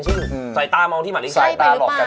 แสดงว่าภาพนี้ไม่มีการหลอกเลย